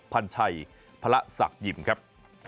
พันธ์ไชยพระศักยิมครับ